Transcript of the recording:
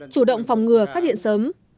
chủ động phòng ngừa phát hiện sớm